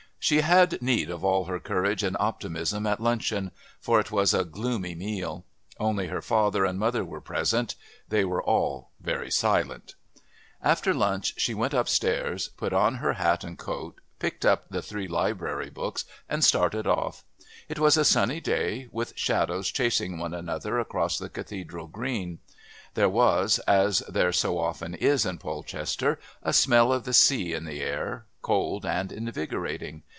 She had need of all her courage and optimism at luncheon, for it was a gloomy meal. Only her father and mother were present. They were all very silent. After lunch she went upstairs, put on her hat and coat, picked up the three Library books, and started off. It was a sunny day, with shadows chasing one another across the Cathedral green. There was, as there so often is in Polchester, a smell of the sea in the air, cold and invigorating.